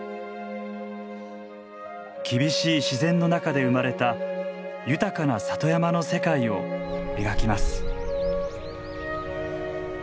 厳しい自然の中で生まれた豊かな里山の世界を描きます。